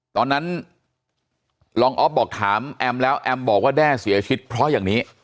ตอนนั้นรองออฟบอกถามแอมแล้วแอมบอกว่าแด้เสียชีวิตเพราะอย่างนี้